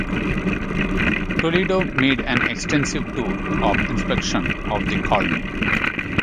Toledo made an extensive tour of inspection of the colony.